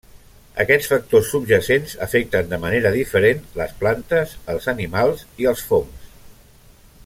Aquests factors subjacents afecten de manera diferent les plantes, els animals i els fongs.